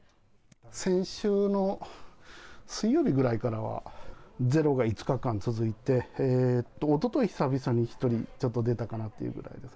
先週の水曜日ぐらいからは、ゼロが５日間続いて、おととい久々に１人、ちょっと出たかなってぐらいです。